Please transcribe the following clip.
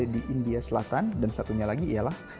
dengan manis aja lah